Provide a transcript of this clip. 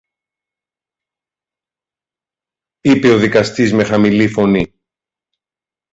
είπε ο δικαστής με χαμηλή φωνή.